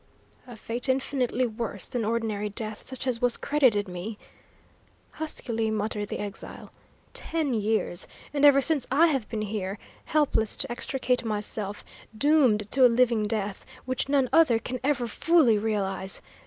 "A fate infinitely worse than ordinary death such as was credited me," huskily muttered the exile. "Ten years, and ever since I have been here, helpless to extricate myself, doomed to a living death, which none other can ever fully realise!